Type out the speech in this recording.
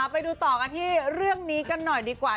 ไปดูต่อกันที่เรื่องนี้กันหน่อยดีกว่า